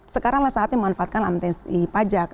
sekarang lah saatnya manfaatkan amnesty pajak